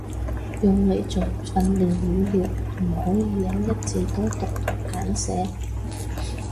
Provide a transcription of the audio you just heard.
用嚟做訓練語料唔可以有一字多讀同簡寫